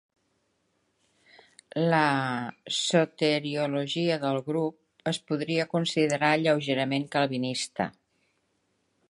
La soteriologia del grup es podria considerar lleugerament calvinista.